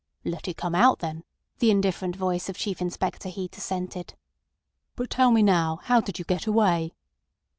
"Let it come out, then," the indifferent voice of Chief Inspector Heat assented. "But tell me now how did you get away."